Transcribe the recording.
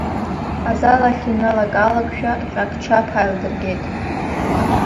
Азал ахь иналак-аалакшәа ҟьаԥ-чаԥ ааилдыргеит.